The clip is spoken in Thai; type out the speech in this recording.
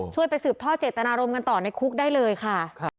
ไปสืบท่อเจตนารมณ์กันต่อในคุกได้เลยค่ะ